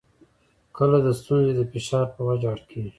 کله د ستونزو د فشار په وجه اړ کېږي.